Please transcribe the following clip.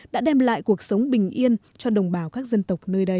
đã đem lại cuộc sống bình yên cho đồng bào các dân tộc nơi đây